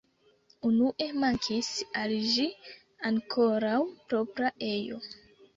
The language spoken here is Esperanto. Unue mankis al ĝi ankoraŭ propra ejo.